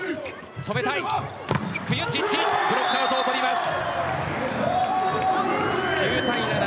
クユンジッチブロックアウトを取ります。